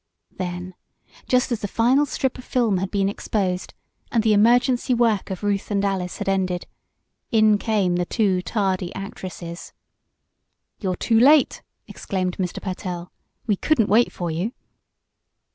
Then, just as the final strip of film had been exposed, and the emergency work of Ruth and Alice had ended, in came the two tardy actresses. "You're too late!" exclaimed Mr. Pertell. "We couldn't wait for you."